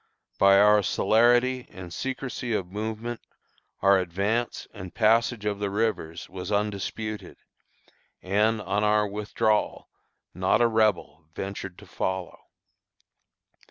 "By our celerity and secrecy of movement, our advance and passage of the rivers was undisputed, and, on our withdrawal, not a Rebel ventured to follow.